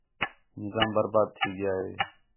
نظام برباد تھی ڳِیا ہِے